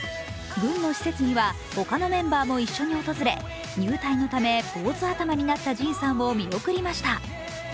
軍の施設には他のメンバーも一緒に訪れ、入隊のため坊主頭になったＪＩＮさんを見送りました。